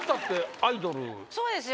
そうですよ。